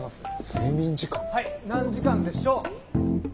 睡眠時間？はい何時間でしょう？